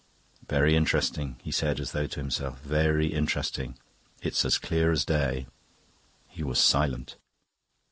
"Very interesting," he said, as though to himself "very interesting. It's as clear as day." He was silent.